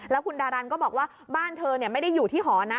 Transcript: แล้วคุณดารันก็บอกว่าบ้านเธอไม่ได้อยู่ที่หอนะ